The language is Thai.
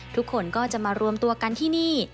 ทุกคนก็จะมารวมตัวกันที่นี่